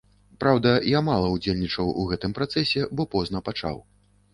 Праўда, я мала ўдзельнічаў у гэтым працэсе, бо позна пачаў.